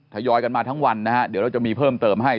ทยอยกันมาทั้งวันนะฮะเดี๋ยวเราจะมีเพิ่มเติมให้